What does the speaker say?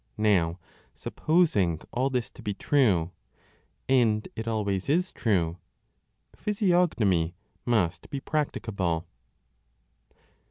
Now, supposing all this to be true (and it always is true), physiognomy must be practicable.